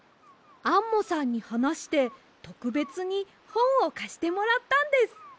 アンモさんにはなしてとくべつにほんをかしてもらったんです。